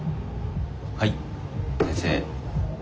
はい先生。